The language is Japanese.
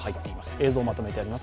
映像をまとめてあります。